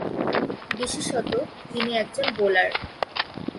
বিশেষত তিনি একজন বোলার।